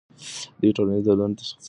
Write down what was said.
دوی ټولنیز دردونه تشخیصوي.